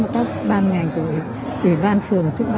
các ban ngành của ủy ban phường cũng quan tâm quá